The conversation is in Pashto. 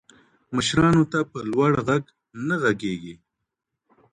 مشرانو ته په لوړ ږغ نه ږغیږي.